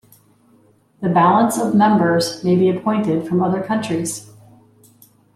The balance of members may be appointed from other countries.